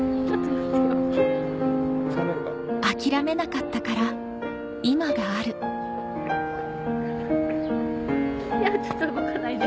諦めなかったから今があるちょっと動かないで。